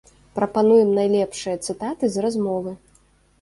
Прапануем найлепшыя цытаты з размовы.